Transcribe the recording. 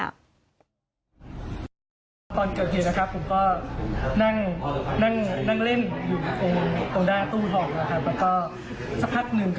ตอนเกิดเฮียนนะครับผมก็นั่งเล่นอยู่ตรงด้านตู้ทองนะครับ